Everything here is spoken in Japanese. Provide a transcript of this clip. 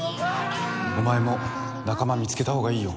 お前も仲間見つけた方がいいよ